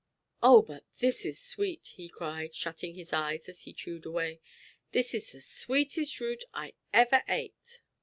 "Oh, but this is sweet!" he cried, shutting his eyes as he chewed away. "This is the sweetest root I ever ate."